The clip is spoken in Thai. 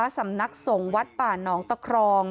สำนักสงฆ์วัดป่านองตะครอง